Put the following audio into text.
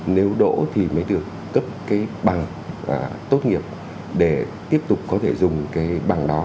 nếu đỗ thì mới được cấp cái bằng và tốt nghiệp để tiếp tục có thể dùng cái bằng đó